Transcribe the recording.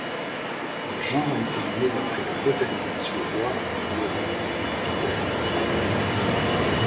Le genre a été nommé d'apres le botaniste suédois, Johan Peter Arrhenius.